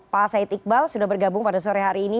pak said iqbal sudah bergabung pada sore hari ini